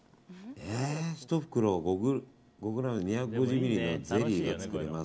１袋５ｇで２５０ミリリットルのゼリーが作れます。